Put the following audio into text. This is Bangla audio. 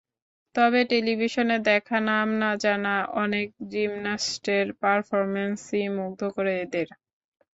তবে টেলিভিশনে দেখা নাম না-জানা অনেক জিমন্যাস্টের পারফরম্যান্সই মুগ্ধ করে এদের।